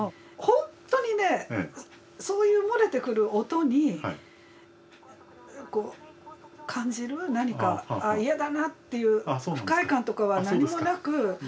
ほんとにねそういう漏れてくる音にこう感じる何か「あ嫌だな」っていう不快感とかは何もなく。